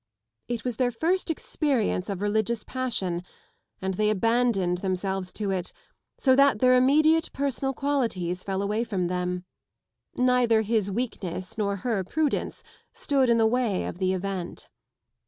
It was their first experience of religious passion, and they abandoned themselves to it so that their immediate personal qualities fell away from them. Neither his weakness nor her prudence stood in the way of the event.